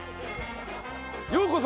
ようこそ